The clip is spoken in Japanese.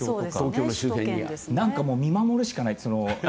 何かもう見守るしかない。